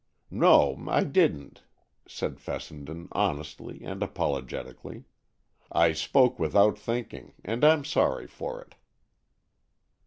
"No, I didn't," said Fessenden honestly and apologetically. "I spoke without thinking, and I'm sorry for it."